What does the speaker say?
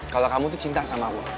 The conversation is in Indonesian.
kalau kamu itu cinta sama allah